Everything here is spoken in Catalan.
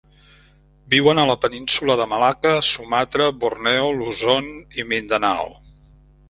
Viuen a la península de Malacca, Sumatra, Borneo, Luzon i Mindanao.